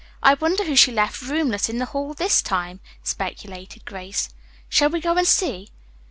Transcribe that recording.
"I wonder who she left roomless in the hall this time," speculated Grace. "Shall we go and see?"